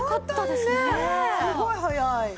すごい早い。